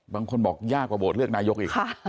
บางคนบอกยากกว่าโหวตเลือกนายกอีก